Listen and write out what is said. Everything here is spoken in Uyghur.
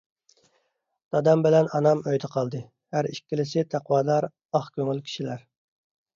دادام بىلەن ئانام ئۆيدە قالدى، ھەر ئىككىلىسى تەقۋادار، ئاق كۆڭۈل كىشىلەر.